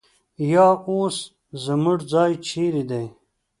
یا اوس زموږ ځای چېرې دی؟